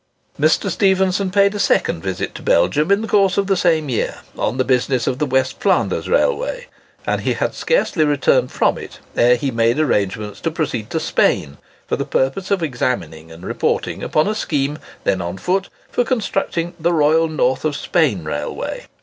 Mr. Stephenson paid a second visit to Belgium in the course of the same year, on the business of the West Flanders Railway; and he had scarcely returned from it ere he made arrangements to proceed to Spain, for the purpose of examining and reporting upon a scheme then on foot for constructing "the Royal North of Spain Railway."